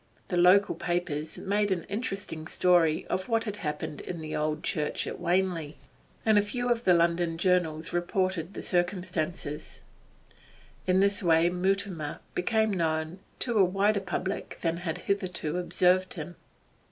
The local papers made an interesting story of what had happened in the old church at Wanley, and a few of the London journals reported the circumstances; in this way Mutimer became known to a wider public than had hitherto observed him.